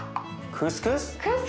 クスクス？